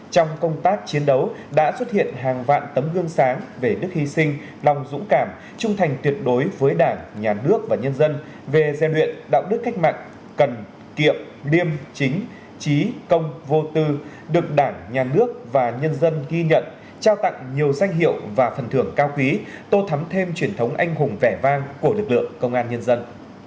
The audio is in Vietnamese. trong công tác chiến đấu đã xuất hiện hàng vạn tấm gương sáng về đức hy sinh lòng dũng cảm trung thành tuyệt đối với đảng nhà nước và nhân dân về gieo luyện đạo đức cách mạng cần kiệm điêm chính trí công vô tư được đảng nhà nước và nhân dân ghi nhận trao tặng nhiều danh hiệu và phần thưởng cao quý tô thắm thêm truyền thống anh hùng vẻ vang của lực lượng công an nhân dân